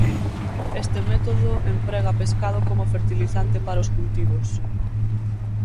Este método emprega pescado como fertilizante para os cultivos.